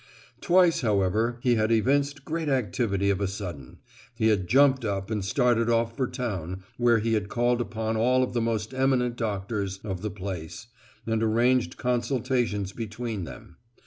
Twice, however, he had evinced great activity of a sudden; he had jumped up and started off for town, where he had called upon all the most eminent doctors of the place, and arranged consultations between them.